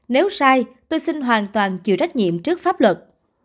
nếu sai tôi xin hoàn toàn chịu trách nhiệm trước pháp luật